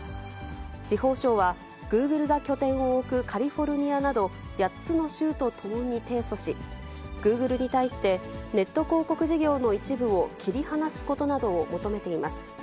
司法省は、グーグルが拠点を置くカリフォルニアなど、８つの州と共に提訴し、グーグルに対してネット広告事業の一部を切り離すことなどを求めています。